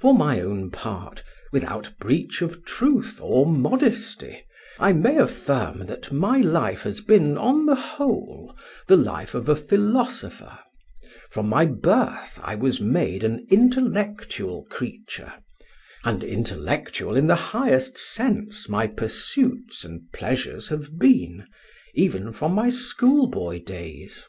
For my own part, without breach of truth or modesty, I may affirm that my life has been, on the whole, the life of a philosopher: from my birth I was made an intellectual creature, and intellectual in the highest sense my pursuits and pleasures have been, even from my schoolboy days.